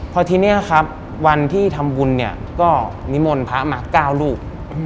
พอทีนี้ครับวันที่ทำบุญเนี่ยก็นิมนต์พระมา๙รูป